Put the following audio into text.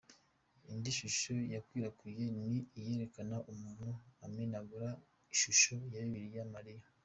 Indi shusho yakwirakwije ni iyerekana umuntu amenagura ishusho ya Bikira Mariya.